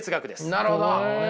なるほど。